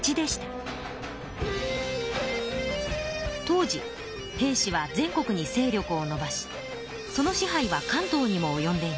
当時平氏は全国に勢力をのばしその支配は関東にもおよんでいました。